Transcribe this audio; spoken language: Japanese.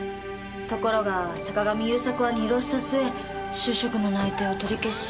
ところが坂上勇作は二浪した末就職の内定を取り消し。